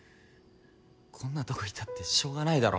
こんなとこいたってしょうがないだろ。